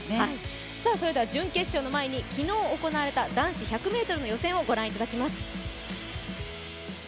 それでは準決勝の前に昨日行われました男子の準決勝の予選をご覧いただきます。